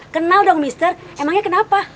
kenal dong mr emangnya kenapa